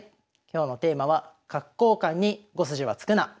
今日のテーマは「角交換に５筋は突くな」。